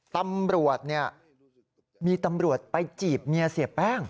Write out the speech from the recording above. ตำรวจเนี่ยมีตำรวจไปจีบเมียเสียแป้ง